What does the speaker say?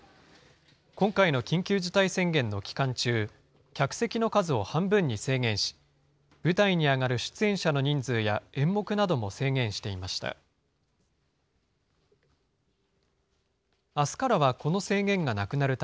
今回の緊急事態宣言の期間中、客席の数を半分に制限し、舞台に上がる出演者の人数や演目なども制限していました。